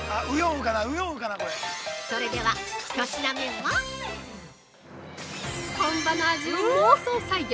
◆それでは、１品目は本場の味を妄想再現。